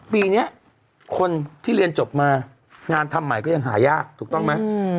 ปีนี้คนที่เรียนจบมางานทำใหม่ก็ยังหายากถูกต้องไหม